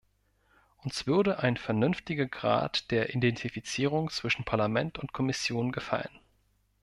Uns würde ein vernünftiger Grad der Identifizierung zwischen Parlament und Kommission gefallen.